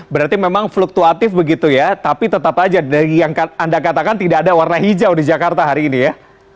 berarti memang fluktuatif begitu ya tapi tetap aja dari yang anda katakan tidak ada warna hijau di jakarta hari ini ya